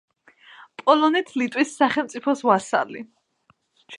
პოლონეთ-ლიტვის სახელმწიფოს ვასალი.